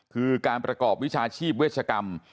คือการประกอบวิชาชีพเวชกรรม